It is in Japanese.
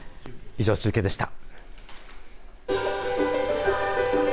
以上、中継でした。